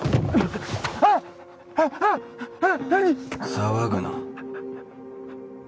騒ぐな。